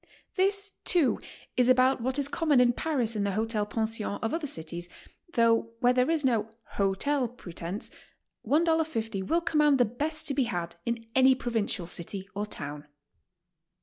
This, too, is about what is common in Paris and the ho tel pensions of other cities, though where there is no ''hotel" pretence $1.50 will command the best to be had in any provincial city or town.